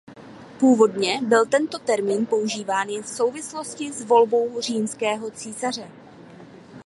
Původně byl tento termín používán jen v souvislosti s volbou římského císaře.